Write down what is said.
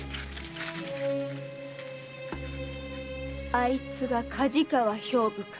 あいつが梶川兵部か。